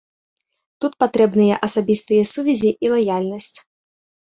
Тут патрэбныя асабістыя сувязі і лаяльнасць.